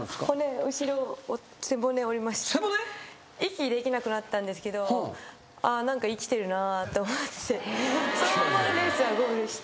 息できなくなったんですけどあー何か生きてるなと思ってそのままレースはゴールして。